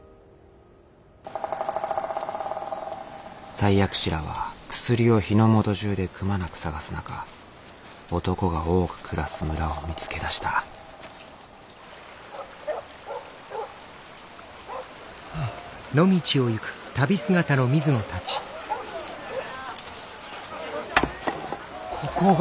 採薬使らは薬を日の本中でくまなく探す中男が多く暮らす村を見つけ出したここが。